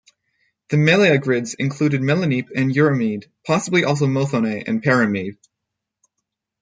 The Meleagrids included Melanippe and Eurymede, possibly also Mothone and Perimede.